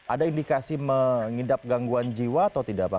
ada indikasi mengidap gangguan jiwa atau tidak pak